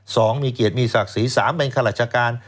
สองมีเกียรติมีศักดิ์ศรีสามเป็นข้าราชการ